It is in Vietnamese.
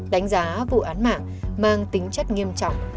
đánh giá vụ án mạng mang tính chất nghiêm trọng